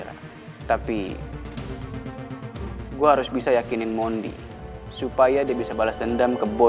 nanti gue akan kasih ini yang lebih baik untuk kamu